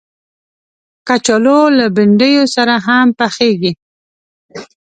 کچالو له بنډیو سره هم پخېږي